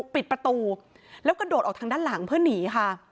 ปิดประตูแล้วกระโดดออกทางด้านหลังเพื่อหนีค่ะ